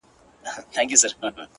ستا د لپي په رڼو اوبو کي گراني ؛